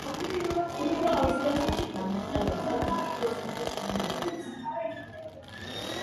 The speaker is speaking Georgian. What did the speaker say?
თავის ლექსებში გამოხატავდა საკუთარ ფილოსოფიურ შეხედულებებს.